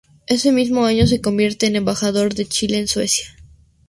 Ese mismo año se convierte en embajador de Chile en Suecia.